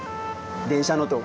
電車の音